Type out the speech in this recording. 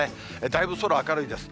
だいぶ空、明るいです。